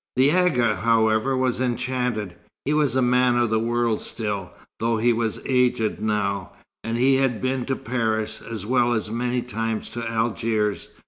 The Agha, however, was enchanted. He was a man of the world still, though he was aged now, and he had been to Paris, as well as many times to Algiers.